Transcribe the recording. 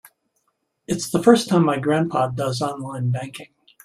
It's the first time my grandpa does online banking.